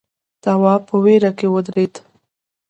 تواب په وېره کې ودرېد.